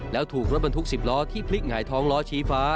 แล้วถูกรถบรรทุก๑๐ล้อที่พลิกหงายท้องล้อชี้ฟ้า